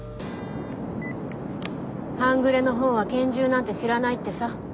半グレの方は拳銃なんて知らないってさ。